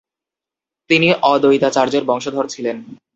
তিনি অদ্বৈতাচার্যের বংশধর ছিলেন।